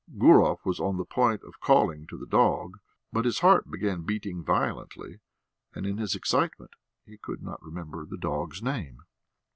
Gurov was on the point of calling to the dog, but his heart began beating violently, and in his excitement he could not remember the dog's name.